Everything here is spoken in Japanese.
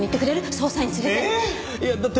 捜査員連れて。